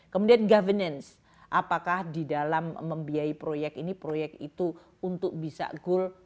kemudian governance apakah di dalam membiayai proyek ini proyek itu untuk bisa goal